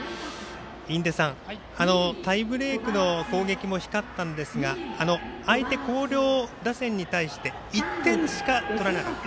印出さん、タイブレークの攻撃も光ったんですが相手、広陵打線に対して１点しか取らなかった。